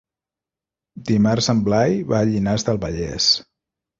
Dimarts en Blai va a Llinars del Vallès.